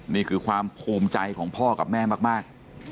นี่คือความภูมิใจของพ่อกับแม่มาก